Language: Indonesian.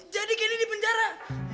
jadi candy di penjara